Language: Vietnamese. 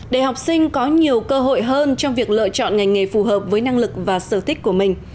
để học sinh có nhiều cơ hội hơn trong việc lựa chọn ngành nghề phù hợp với năng lực và sở thích của mình